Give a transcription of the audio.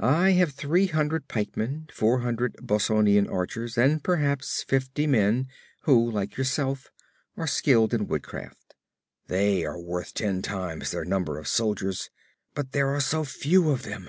'I have three hundred pikemen, four hundred Bossonian archers, and perhaps fifty men who, like yourself, are skilled in woodcraft. They are worth ten times their number of soldiers, but there are so few of them.